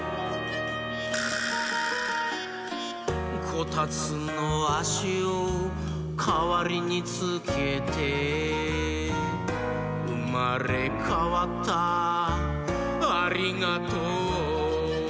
「こたつのあしをかわりにつけて」「うまれかわったありがとう」